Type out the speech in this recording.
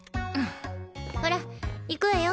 ほら行くわよ。